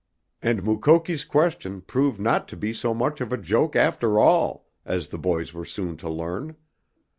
And Mukoki's question proved not to be so much of a joke after all, as the boys were soon to learn.